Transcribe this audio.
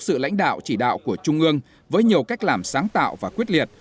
sự lãnh đạo chỉ đạo của trung ương với nhiều cách làm sáng tạo và quyết liệt